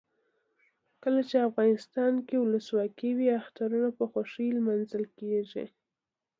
کله چې افغانستان کې ولسواکي وي اخترونه په خوښۍ لمانځل کیږي.